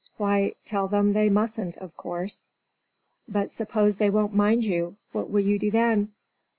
"Why, tell them they mustn't, of course." "But suppose they won't mind you, what will you do then?"